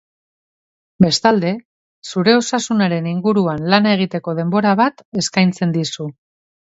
Bestalde, zure osasunaren inguruan lana egiteko denbora bat eskaintzen dizu.